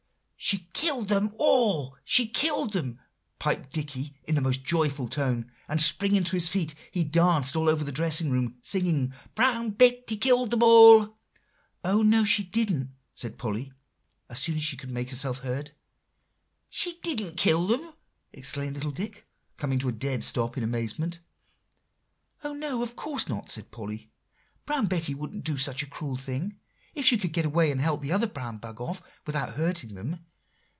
"She killed them all, she killed them!" piped Dicky in the most joyful tone; and springing to his feet he danced all over the dressing room, singing, "Brown Betty killed them all!" "Oh, no, she didn't!" said Polly, as soon as she could make herself heard. "She didn't kill them!" exclaimed little Dick, coming to a dead stop in amazement. "Oh, no! of course not," said Polly; "Brown Betty wouldn't do such a cruel thing, if she could get away and help the other brown bug off without hurting them.